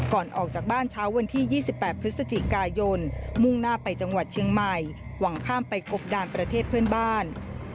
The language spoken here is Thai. ก่อนออกจากบ้านเช้าวันที่๒๘พฤศจิกายนมุ่งหน้าไปจังหวัดเชียงใหม่หวังข้ามไปกบดานประเทศเพื่อนบ้าน